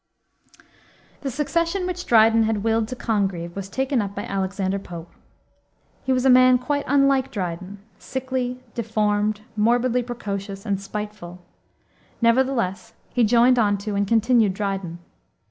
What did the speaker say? The succession which Dryden had willed to Congreve was taken up by Alexander Pope. He was a man quite unlike Dryden, sickly, deformed, morbidly precocious, and spiteful; nevertheless he joined on to and continued Dryden.